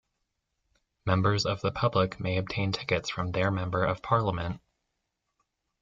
Members of the public may obtain tickets from their Member of Parliament.